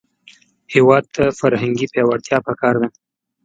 هېواد ته فرهنګي پیاوړتیا پکار ده